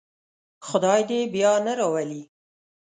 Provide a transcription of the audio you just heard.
خدای دې یې بیا نه راولي.